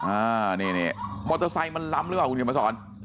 อ่านี่นี่มอเตอร์ไซค์มันล้ำหรือวะคุณผู้ชายมาสอน